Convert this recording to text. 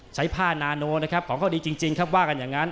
ใช้ผ้านาโนนะครับของเขาดีจริงครับว่ากันอย่างนั้น